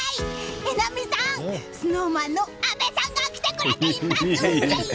榎並さん、ＳｎｏｗＭａｎの阿部さんが来てくれています！